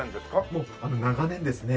もう長年ですね